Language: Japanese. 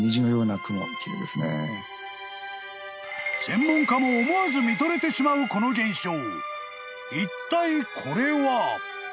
［専門家も思わず見とれてしまうこの現象］